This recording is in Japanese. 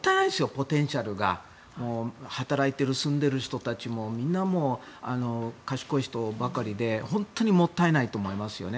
ポテンシャルが働いている、住んでいる人たちもみんな賢い人ばかりで本当にもったいないと思いますよね。